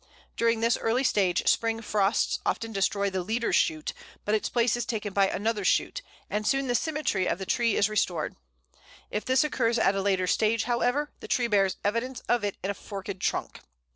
During this early stage spring frosts often destroy the leader shoot, but its place is taken by another shoot; and soon the symmetry of the tree is restored. If this occurs at a later stage, however, the tree bears evidence of it in a forked trunk.